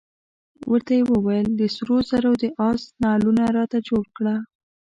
ورته یې وویل د سرو زرو د آس نعلونه راته جوړ کړه.